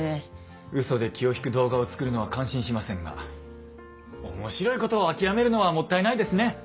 うそで気を引く動画を作るのは感心しませんが面白いことを諦めるのはもったいないですね。